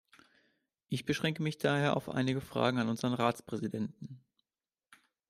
Ich beschränke mich daher auf einige Fragen an unseren Ratspräsidenten.